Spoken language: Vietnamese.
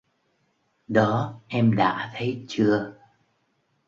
Đó em đã thấy chưa